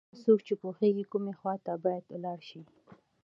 هغه څوک چې پوهېږي کومې خواته باید ولاړ شي.